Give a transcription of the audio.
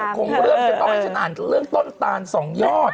เริ่มก็ต้องให้ฉันอ่านเรื่องต้นตาล๒ยอด